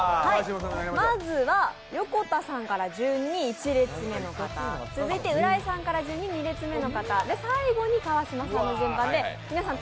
まずは横田さんから順に１列目の方続いて浦井さんから順に２列目の方、最後に川島さんの順番で皆さん